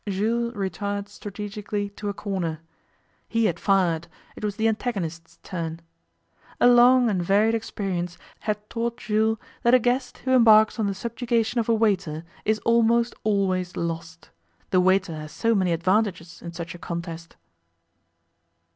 Jules retired strategically to a corner. He had fired; it was the antagonist's turn. A long and varied experience had taught Jules that a guest who embarks on the subjugation of a waiter is almost always lost; the waiter has so many advantages in such a contest.